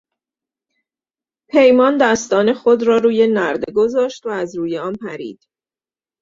پیمان دستان خود را روی نرده گذاشت و از روی آن پرید.